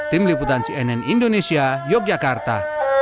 tim liputan cnn indonesia yogyakarta